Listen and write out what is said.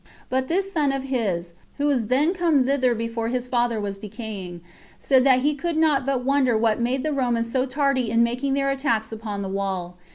But this son of his, who was then come thither before his father was decaying, said that he could not but wonder what made the Romans so tardy in making their attacks upon the wall.